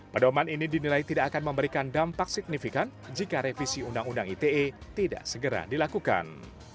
pedoman ini dinilai tidak akan memberikan dampak signifikan jika revisi undang undang ite tidak segera dilakukan